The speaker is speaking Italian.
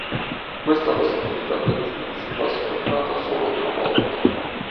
Questa possibilità dei giudici va sfruttata solo una volta.